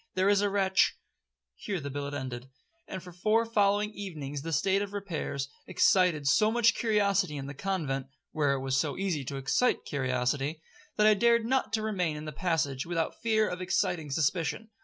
There is a wretch—' 'Here the billet ended; and for four following evenings the state of the repairs excited so much curiosity in the convent, (where it is so easy to excite curiosity), that I dared not to remain in the passage, without the fear of exciting suspicion.